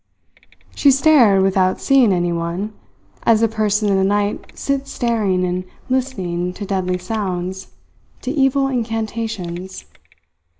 She stared without seeing anyone, as a person in the night sits staring and listening to deadly sounds, to evil incantations.